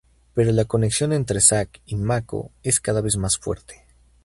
Pero la conexión entre Zac y Mako es cada vez más fuerte.